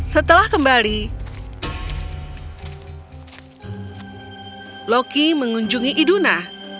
setelah kembali loki mengunjungi iduna